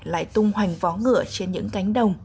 lại tung hoành vó ngựa trên những cánh đồng